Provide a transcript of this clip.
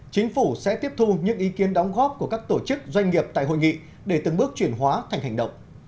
chính phủ sẽ tiếp thu những ý kiến đóng góp của các tổ chức doanh nghiệp tại hội nghị để từng bước chuyển hóa thành hành động